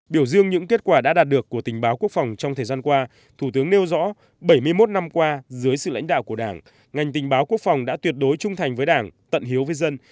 biểu dương những kết quả đã đạt được của tình báo quốc phòng trong thời gian qua thủ tướng nêu rõ bảy mươi một năm qua dưới sự lãnh đạo của đảng ngành tình báo quốc phòng đã tuyệt đối trung thành với đảng tận hiếu với dân